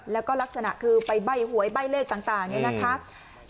แล้วก็ลักษณะคือไปใบ้หวยใบ้เลขต่างเนี่ยนะคะ